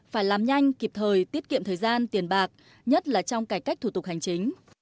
phải làm nhanh kịp thời tiết kiệm thời gian tiền bạc nhất là trong cải cách thủ tục hành chính